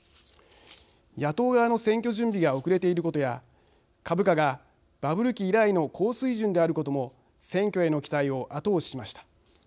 野党側の選挙準備が遅れていることや株価がバブル期以来の高水準であることも選挙への期待を後押ししました。